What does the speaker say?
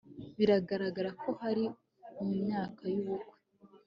bigararagara ko hari mu myaka y'ubukure